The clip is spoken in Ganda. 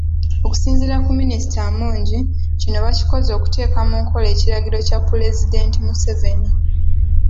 Okusinziira ku Minisita Amongi kino bakikoze okuteeka mu nkola ekiragiro kya Pulezidenti Museveni